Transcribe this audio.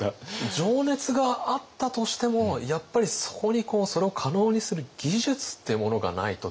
情熱があったとしてもやっぱりそこにそれを可能にする技術ってものがないとできない。